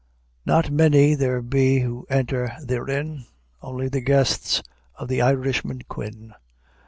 Not many there be Who enter therein, Only the guests of the Irishman Quin.